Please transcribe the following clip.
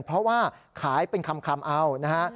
เพราะว่าขายเป็นคำเอานะฮะ